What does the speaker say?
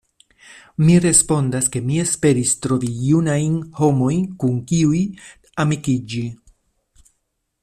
Mi respondas, ke mi esperis trovi junajn homojn kun kiuj amikiĝi.